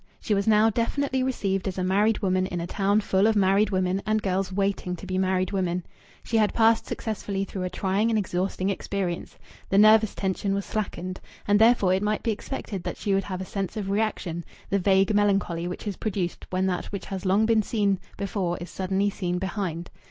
She was now definitely received as a married woman in a town full of married women and girls waiting to be married women. She had passed successfully through a trying and exhausting experience; the nervous tension was slackened. And therefore it might be expected that she would have a sense of reaction, the vague melancholy which is produced when that which has long been seen before is suddenly seen behind.